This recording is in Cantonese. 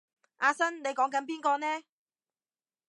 阿生你講緊邊個呢？